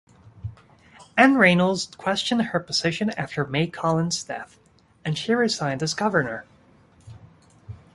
Ann Reynolds questioned her position after May Collins' death, and she resigned as governor.